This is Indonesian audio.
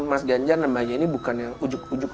mas ganjar dan mbak ye ini bukan yang ujuk ujuk